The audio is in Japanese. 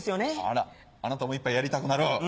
あらあなたも一杯やりたくなる？